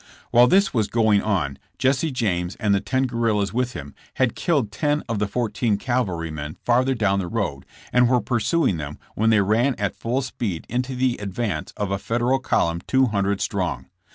While this was going on Jesse James and the ten guerrillas with him had killed ten of the fourteen cavalrymen farther down the road and were pursuing them when they ran at full speed into the advance of a Federal column two hundred strong.